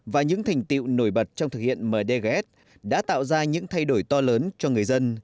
và những thành tiệu nổi bật trong thực hiện mdgs đã tạo ra những thay đổi to lớn cho người dân